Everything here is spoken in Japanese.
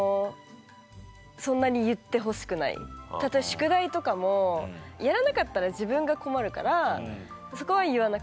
宿題とかもやらなかったら自分が困るからそこは言わなくていい。